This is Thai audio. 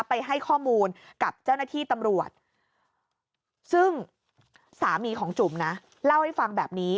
ให้ข้อมูลกับเจ้าหน้าที่ตำรวจซึ่งสามีของจุ๋มนะเล่าให้ฟังแบบนี้